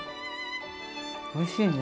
おいしいね！